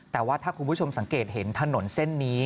แต่ว่าถ้าคุณผู้ชมสังเกตเห็นถนนเส้นนี้